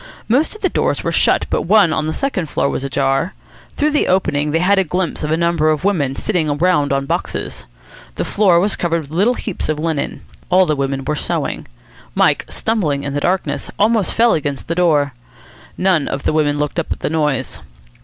Most of the doors were shut but one on the second floor was ajar. Through the opening they had a glimpse of a number of women sitting round on boxes. The floor was covered with little heaps of linen. All the women were sewing. Mike, stumbling in the darkness, almost fell against the door. None of the women looked up at the noise.